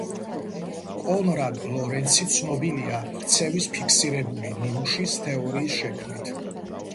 კონრად ლორენცი ცნობილია ქცევის ფიქსირებული ნიმუშის თეორიის შექმნით.